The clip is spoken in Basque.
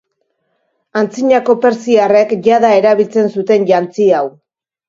Antzinako persiarrek jada erabiltzen zuten jantzi hau.